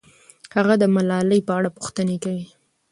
هغه د ملالۍ په اړه پوښتنې کوي.